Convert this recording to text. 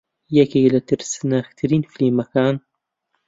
یەکێک لە ترسناکترین فیلمەکان